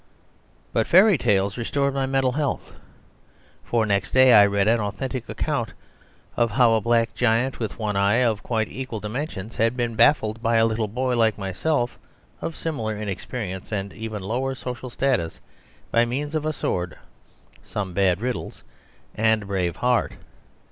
But fairy tales restored my mental health, for next day I read an authentic account of how a negro giant with one eye, of quite equal dimensions, had been baffled by a little boy like myself (of similar inexperience and even lower social status) by means of a sword, some bad riddles, and a brave heart.